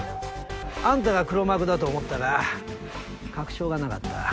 あんたが黒幕だと思ったが確証がなかった。